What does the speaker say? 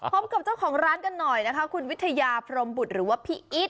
พร้อมกับเจ้าของร้านกันหน่อยคุณวิทยาพรหมบุตรหรือพี่อิ๊ด